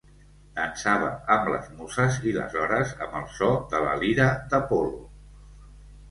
Dansava amb les Muses i les Hores amb el so de la lira d'Apol·lo.